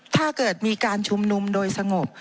ถ้าเกิดมีการชุมนุมโดยสงบ